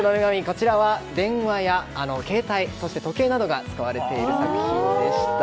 こちらは電話や携帯、時計などが使われている作品でした。